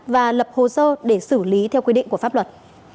và lập hồ sơ để xử lý theo quy định của pháp luật